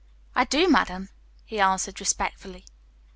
"I do, madam," he answered respectfully.